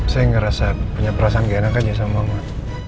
saya ngerasa punya perasaan gak enak aja sama mama